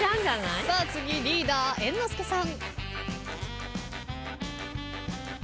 次リーダー猿之助さん。